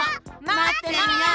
まってるよ！